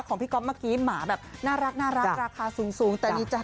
ของพี่ก๊อปเมื่อกี้หมาแบบน่ารักราคาสูง